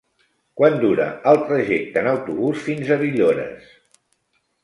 Quant dura el trajecte en autobús fins a Villores?